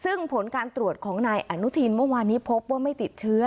ซึ่งผลการตรวจของนายอนุทินเมื่อวานนี้พบว่าไม่ติดเชื้อ